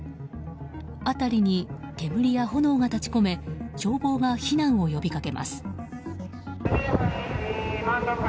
辺りに煙や炎が立ち込め消防が避難を呼びかけます。